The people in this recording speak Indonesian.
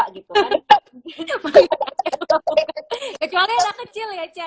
kekuali anak kecil ya ca ya